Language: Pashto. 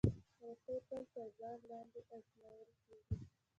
رسۍ تل تر بار لاندې ازمېیل کېږي.